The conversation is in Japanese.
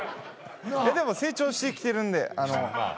でも成長してきてるんで。